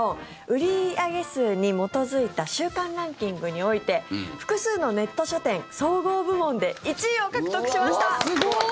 売上数に基づいた週間ランキングにおいて複数のネット書店総合部門で１位を獲得しました！